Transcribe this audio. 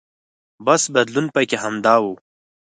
بس بدلون پکې همدا و.